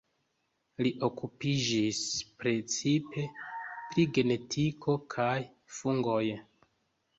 Li okupiĝis precipe pri genetiko kaj fungoj.